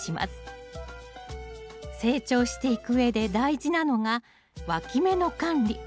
成長していくうえで大事なのがわき芽の管理。